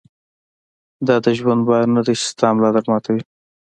دا دژوند بار نۀ دی چې ستا ملا در ماتوي